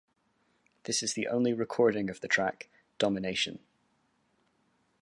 This is the only recording of the track "Domination".